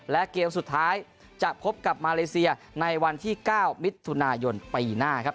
และเกมสุดท้ายจะพบกับมาเลเซียในวันที่๙มิถุนายนปีหน้าครับ